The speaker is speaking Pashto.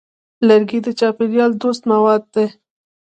لرګی د چاپېریال دوست مواد دی.